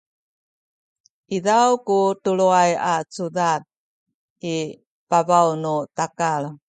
izaw ku tuluay a cudad i pabaw nu takal